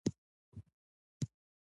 که نظم نه وي، ستونزې پیدا کېږي.